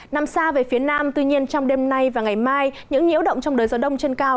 nằm xa về phía nam tuy nhiên trong đêm nay và ngày mai những nhiễu động trong đời gió đông trên cao